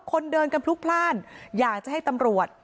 คนเดินกันพลุกพลาดอยากจะให้ตำรวจ